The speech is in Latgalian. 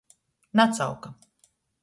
Nacauka.